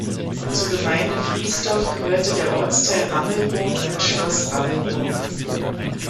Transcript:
Zur Gemeinde Friesdorf gehörte der Ortsteil Rammelburg mit Schloss Rammelburg.